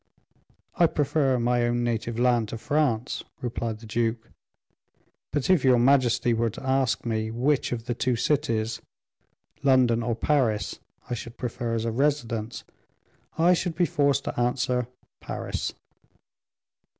"I prefer my own native land to France," replied the duke; "but if your majesty were to ask me which of the two cities, London or Pairs, I should prefer as a residence, I should be forced to answer Paris."